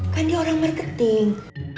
kan dia orang marketing